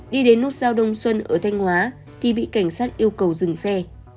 đi đến nút giao đông xuân ở thanh hóa thì bị cảnh sát yêu cầu dừng xe